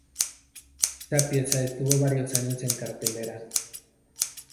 Esa pieza estuvo varios años en cartelera.